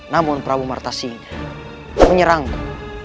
namun prabu martasila menyerangku